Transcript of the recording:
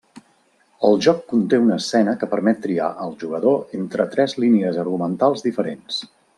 El joc conté una escena que permet triar al jugador entre tres línies argumentals diferents.